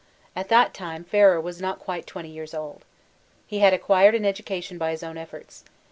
At that time, Ferrer was not quite 20 years old. He had acquired an education by his own efforts.